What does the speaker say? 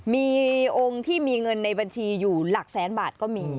มีองค์ที่มีเงินในบัญชีอยู่หลักแสนบาทก็มี